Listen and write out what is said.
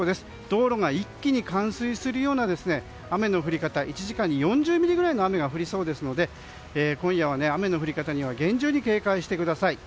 道路が一気に冠水するような雨の降り方１時間に４０ミリくらいの雨が降りそうですので今夜は雨の降り方には厳重に警戒してください。